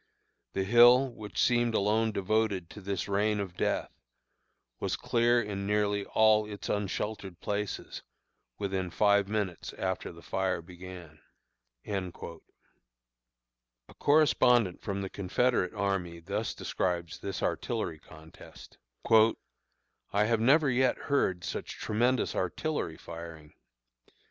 The hill, which seemed alone devoted to this rain of death, was clear in nearly all its unsheltered places within five minutes after the fire began." A correspondent from the Confederate army thus describes this artillery contest: "I have never yet heard such tremendous artillery firing.